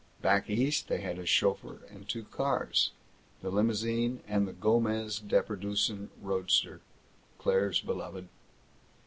Back East they had a chauffeur and two cars the limousine, and the Gomez Deperdussin roadster, Claire's beloved.